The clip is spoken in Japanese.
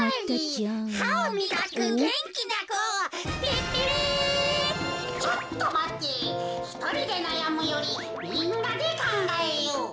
「ちょっとまてひとりでなやむよりみんなでかんがえよう」。